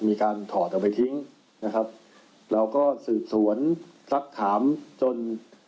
มีการถอดเอาไปทิ้งนะครับเราก็สืบสวนสักถามจน